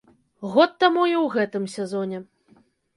Год таму і ў гэтым сезоне.